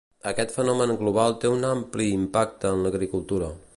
Aquest fenomen global té un ampli impacte en l'agricultura.